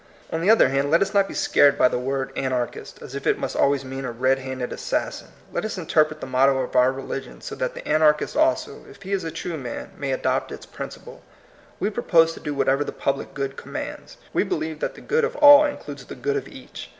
On the other hand, let us not be scared by the word ^^ anarchist," as if it must al ways mean a red handed assassin. Let us interpret the motto of our religion so that the anarchist also, if he is a true man, may adopt its principle. We propose to do whatever the public good commands. We believe that the good of all includes the good of each.